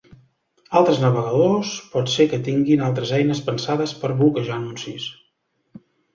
Altres navegadors pot ser que tinguin altres eines pensades per bloquejar anuncis.